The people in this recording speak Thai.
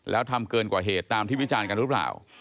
แล้วทำเกินกว่าเหตุตามที่วิจารณ์กันหรือเปล่า